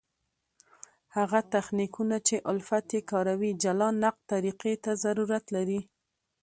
هغه تخنیکونه، چي الفت ئې کاروي جلا نقد طریقي ته ضرورت لري.